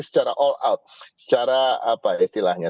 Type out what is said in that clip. secara all out secara apa istilahnya